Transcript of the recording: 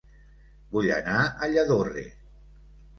Vull anar a Lladorre